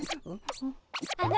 あの。